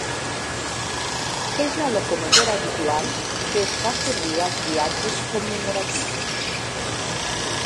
És la locomotora habitual que es fa servir als viatges commemoratius.